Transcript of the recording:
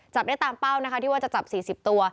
จับได้ตามเป้านะคะที่ว่าจะจับ๔๐ตัว